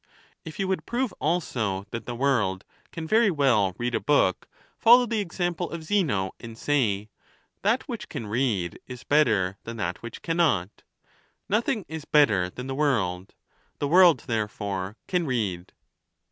If you would 326 THE NATUKE OF THE GODS. prove also that the world can very well read a book, fol low the example of Zeno, and say, " That which can read is better than that which cannot; nothing is better than the world ; the world therefore can read."